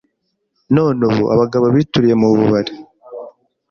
None ubu abagabo bituriye mu bubari